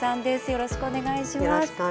よろしくお願いします。